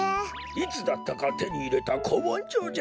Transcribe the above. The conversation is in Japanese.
いつだったかてにいれたこもんじょじゃ。